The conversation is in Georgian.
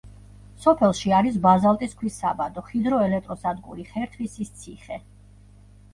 სოფელში არის ბაზალტის ქვის საბადო, ჰიდროელექტროსადგური, ხერთვისის ციხე.